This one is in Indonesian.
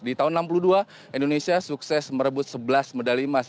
di tahun seribu sembilan ratus enam puluh dua indonesia sukses merebut sebelas medali emas